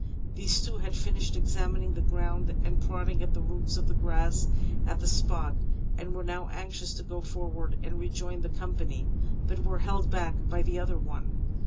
These two had finished examining the ground and prodding at the roots of the grass at the spot, and were now anxious to go forward and rejoin the company, but were held back by the other one.